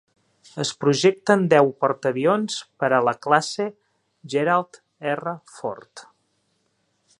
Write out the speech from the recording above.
Es projecten deu portaavions per a la classe "Gerald R. Ford".